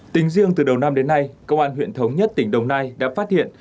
tính riêng từ đầu năm đến nay công an huyện thống nhất tỉnh đồng nai đã phát hiện